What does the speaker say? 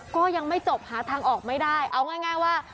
ก็ยังไม่จบหาทางออกไม่ได้เอาง่ายว่า